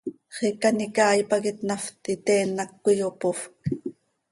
Xiica an icaai pac itnaft, iteen hac cöiyopofc.